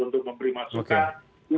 untuk memberi masukan